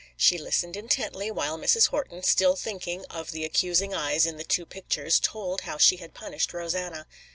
She listened intently while Mrs. Horton, still thinking of the accusing eyes in the two pictures, told how she had punished Rosanna.